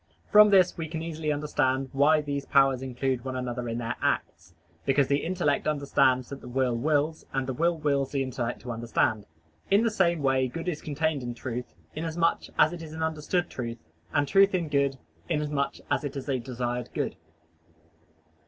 From this we can easily understand why these powers include one another in their acts, because the intellect understands that the will wills, and the will wills the intellect to understand. In the same way good is contained in truth, inasmuch as it is an understood truth, and truth in good, inasmuch as it is a desired good.